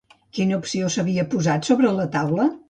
Quina opció s'havia posat sobre la taula?